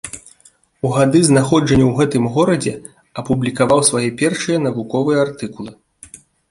У гады знаходжання ў гэтым горадзе апублікаваў свае першыя навуковыя артыкулы.